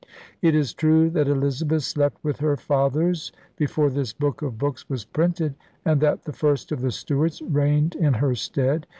It is true that Elizabeth slept with her fathers before this book of books was printed, and that the first of the Stuarts reigned in her stead.